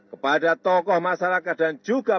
kepada tokoh masyarakat dan juga